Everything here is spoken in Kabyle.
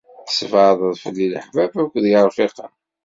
Tesbeɛdeḍ fell-i leḥbab akked yirfiqen.